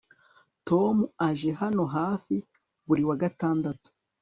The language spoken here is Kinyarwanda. Tom aje hano hafi buri wa gatandatu